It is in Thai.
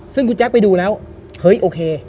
ซึ่งคุณแจ๊คไปดูแล้วเฮ้ยโอเค